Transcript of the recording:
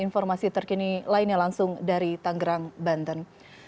informasi terkini lainnya langsung dari tanggerang banten